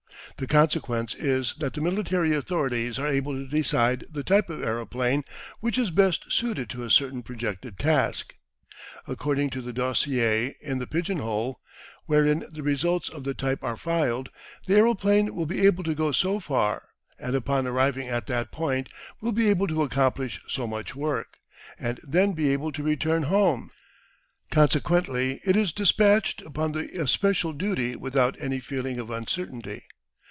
The consequence is that the military authorities are able to decide the type of aeroplane which is best suited to a certain projected task. According to the dossier in the pigeon hole, wherein the results of the type are filed, the aeroplane will be able to go so far, and upon arriving at that point will be able to accomplish so much work, and then be able to return home. Consequently it is dispatched upon the especial duty without any feeling of uncertainty.